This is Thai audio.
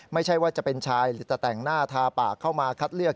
ไม่ใช่ว่าจะเป็นชายหรือจะแต่งหน้าทาปากเข้ามาคัดเลือก